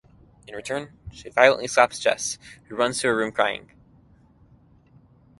In return, she violently slaps Jess, who runs to her room crying.